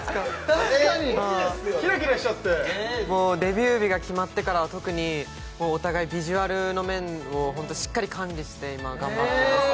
確かにキラキラしちゃってもうデビュー日が決まってからは特にお互いビジュアルの面をしっかり管理して今頑張ってます